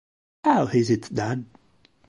How Is It Done?